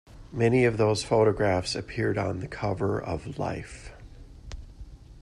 Many of those photographs appeared on the cover of "Life".